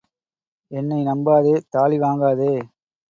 என்னை நம்பாதே, தாலி வாங்காதே.